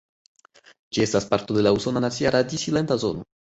Ĝi estas parto de la Usona Nacia Radi-Silenta Zono.